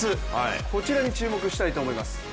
こちらに注目したいと思います。